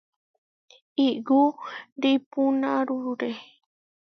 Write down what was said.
Igú ripunárure.